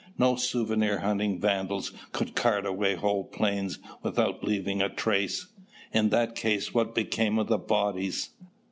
"No souvenir hunting vandals could cart away whole planes without leaving a trace. In that case, what became of the bodies?